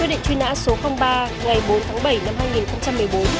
định truy nã số ba ngày bốn tháng bảy năm hai nghìn một mươi bốn